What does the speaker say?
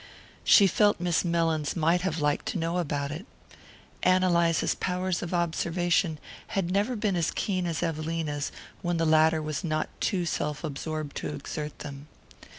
She felt Miss Mellins might have liked to know about it. Ann Eliza's powers of observation had never been as keen as Evelina's, when the latter was not too self absorbed to exert them.